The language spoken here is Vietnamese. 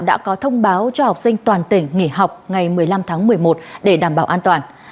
đã có thông báo cho học sinh toàn tỉnh nghỉ học ngày một mươi năm tháng một mươi một để đảm bảo an toàn